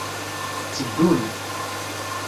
Tteddun.